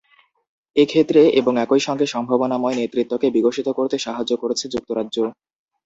এ ক্ষেত্রে এবং একই সঙ্গে সম্ভাবনাময় নেতৃত্বকে বিকশিত করতে সাহায্য করছে যুক্তরাজ্য।